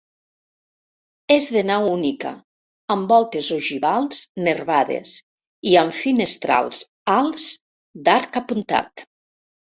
És de nau única, amb voltes ogivals nervades i amb finestrals alts d'arc apuntat.